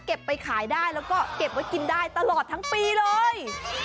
ไปขายได้แล้วก็เก็บไว้กินได้ตลอดทั้งปีเลย